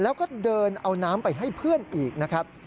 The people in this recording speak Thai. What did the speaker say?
แล้วก็เดินเอาน้ำไปให้เพื่อนอีกนะครับ